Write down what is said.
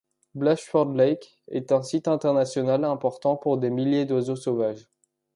Blashford Lakes est un site international important pour des milliers d'oiseaux sauvages.